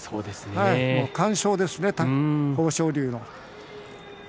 完勝ですね、豊昇龍の。